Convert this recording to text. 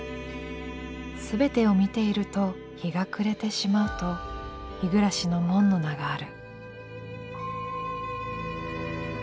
全てを見ていると日が暮れてしまうと「日暮の門」の名がある。